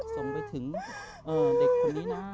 ส่งไปถึงเด็กคนนี้นะ